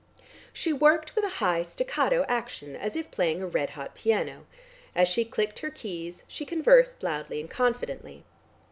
She worked with a high staccato action, as if playing a red hot piano. As she clicked her keys, she conversed loudly and confidently.